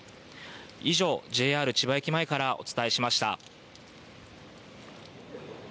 以上、ＪＲ千葉駅前からお伝えしました。